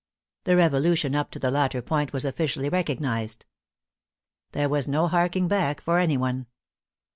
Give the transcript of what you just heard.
The Revolu tion up to the latter point was officially recognized. There was no harking back for any one.